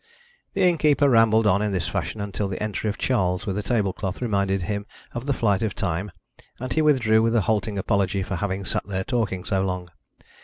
The innkeeper rambled on in this fashion until the entry of Charles with a table cloth reminded him of the flight of time, and he withdrew with a halting apology for having sat there talking so long.